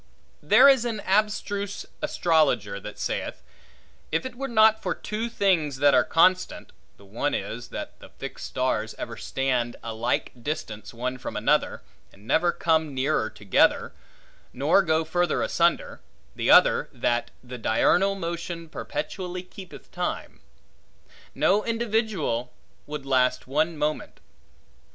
There is an abstruse astrologer that saith, If it were not for two things that are constant (the one is, that the fixed stars ever stand a like distance one from another, and never come nearer together, nor go further asunder; the other, that the diurnal motion perpetually keepeth time), no individual would last one moment.